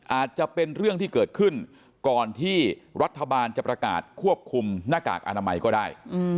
อาจจะเป็นเรื่องที่เกิดขึ้นก่อนที่รัฐบาลจะประกาศควบคุมหน้ากากอนามัยก็ได้